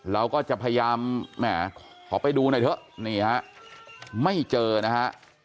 เราก็จะพยายามแหมขอไปดูหน่อยเถอะนี่ฮะไม่เจอนะฮะ